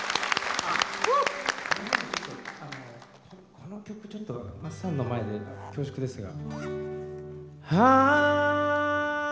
この曲はまっさんの前では恐縮ですが。